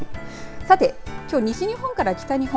さて、きょうは西日本から北日本